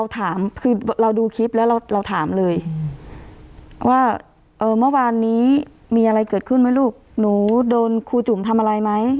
ถามคือเราดูคลิปแล้วเราถามเลยว่าเมื่อวานนี้มีอะไรเกิดขึ้นไหมลูกหนูโดนครูจุ๋มทำอะไรไหม